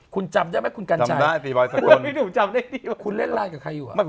คุณจำได้ไหมคุณกัญชัยจำได้สิบอยสกลคุณเล่นไลน์กับใครอยู่หรอ